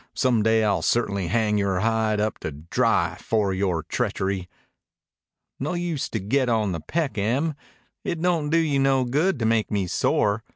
Some day I'll certainly hang yore hide up to dry for yore treachery." "No use to get on the peck, Em. It don't do you no good to make me sore.